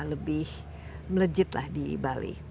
lebih melejit di ibadah